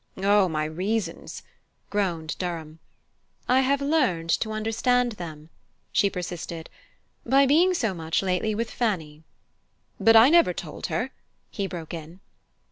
"Oh, my reasons " groaned Durham. "I have learned to understand them," she persisted, "by being so much, lately, with Fanny." "But I never told her!" he broke in.